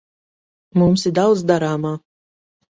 Mums ir daudz darāmā.